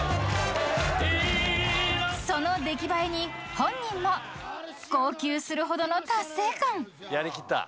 ［その出来栄えに本人も号泣するほどの達成感］